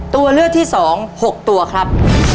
ตัวเลือกที่๒๖ตัวครับ